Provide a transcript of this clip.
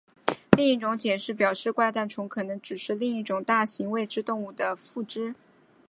另一种解释表示怪诞虫可能只是另一种大型未知动物的附肢。